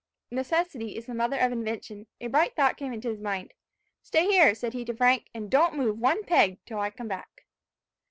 Necessity is the mother of invention. A bright thought came into his mind. "Stay here," said he to Frank, "and don't move one peg till I come back."